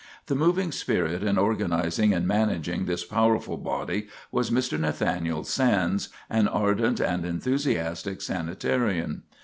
The moving spirit in organizing and managing this powerful body was Mr. Nathaniel Sands, an ardent and enthusiastic sanitarian.